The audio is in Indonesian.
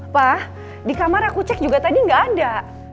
pa di kamar aku cek juga tadi gak ada